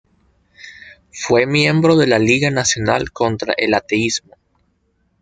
Fue miembro de la Liga Nacional contra el Ateísmo.